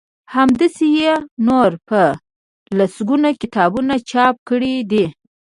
همداسی يې نور په لسګونه کتابونه چاپ کړي دي